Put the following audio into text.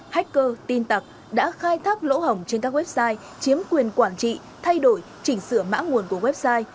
hacker tin tặc đã khai thác lỗ hỏng trên các website chiếm quyền quản trị thay đổi chỉnh sửa mã nguồn của website